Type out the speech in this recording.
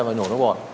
và nhổ nó bọn